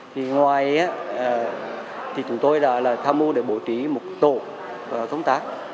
thì ngoài thì chúng tôi là tham mưu để bổ trí một tổ công tác